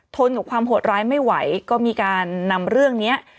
กับความโหดร้ายไม่ไหวก็มีการนำเรื่องนี้